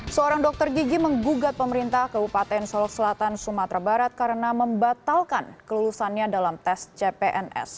seorang dokter gigi menggugat pemerintah kabupaten solok selatan sumatera barat karena membatalkan kelulusannya dalam tes cpns